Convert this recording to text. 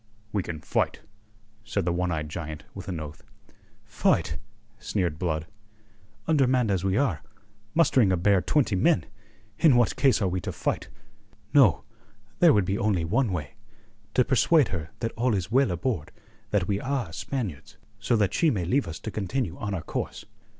"We can fight," said the one eyed giant with an oath. "Fight!" sneered Blood. "Undermanned as we are, mustering a bare twenty men, in what case are we to fight? No, there would be only one way. To persuade her that all is well aboard, that we are Spaniards, so that she may leave us to continue on our course."